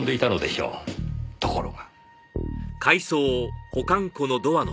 ところが。